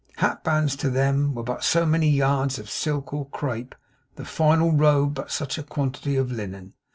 Hat bands, to them, were but so many yards of silk or crape; the final robe but such a quantity of linen.